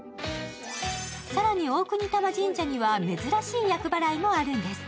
更に大國魂神社には珍しい厄払いもあるんです。